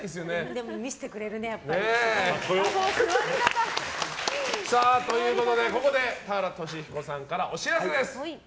でも見せてくれるね、やっぱり。ということでここで田原俊彦さんからお知らせです。